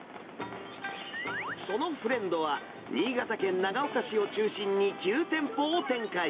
そのフレンドは、新潟県長岡市を中心に９店舗を展開。